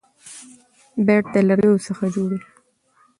بیټ د لرګي څخه جوړ يي.